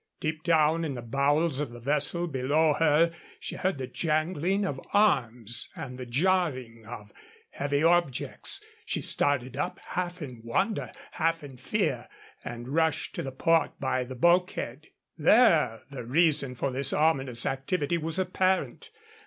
Deep down in the bowels of the vessel below her she heard the jangling of arms and the jarring of heavy objects. She started up, half in wonder, half in fear, and rushed to the port by the bulkhead. There the reason for this ominous activity was apparent.